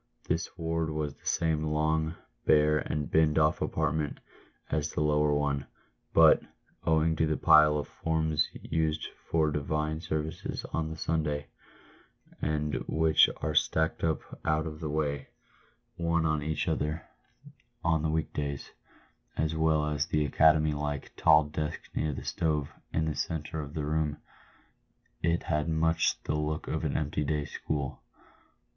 This ward was the same long, bare, and binned off apartment as the lower one, but, owing to the pile of forms used for divine service on the Sunday, and which are stacked up out of the way, one on each PAYED WITH GOLD. 17 other, on the week days, as well as the academy like tall desk near the stove in the centre of the room, it had much the look of an empty day school.